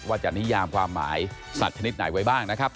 จะนิยามความหมายสัตว์ชนิดไหนไว้บ้างนะครับ